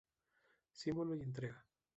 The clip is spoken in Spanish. Símbolo y entrega.